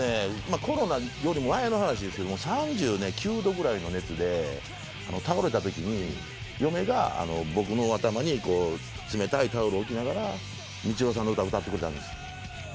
コロナより前の話ですけど３９℃ぐらいの熱で倒れたときに嫁が僕の頭に冷たいタオル置きながらミチロウさんの歌歌ってくれたんです。